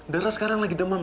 dara sekarang lagi demam